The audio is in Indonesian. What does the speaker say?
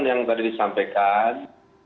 yang tadi disampaikan